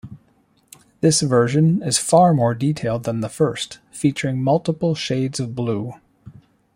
This version is far more detailed than the first, featuring multiple shades of blue.